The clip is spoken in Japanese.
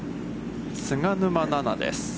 菅沼菜々です。